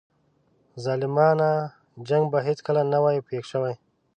ظالمانه جنګ به هیڅکله نه وای پېښ شوی.